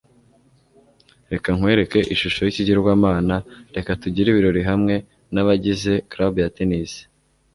Reka nkwereke ishusho yikigirwamana. Reka tugire ibirori hamwe nabagize club ya tennis.